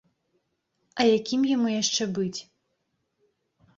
А якім яму яшчэ быць?